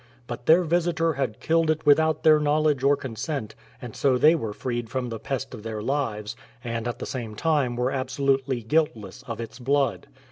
But their visitor had killed it without their knowledge or con sent, and so they were freed from the pest of their lives, and at the same time were absolutely guiltless of its blood.